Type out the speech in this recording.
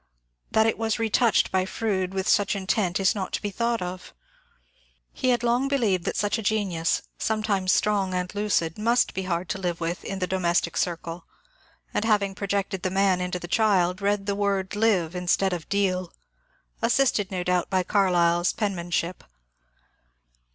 That it was retouched by Froude with such intent is not to be thought of. He had 216 MONCURE DANIEL CONWAY long believed that such a genius, sometimes strong and lucid, must be hard to live with in the domestic circle, and, having projected the man into the child, read the word ^ live " in stead of ^^ deal," — assisted no doubt by Carlyle's penman ship.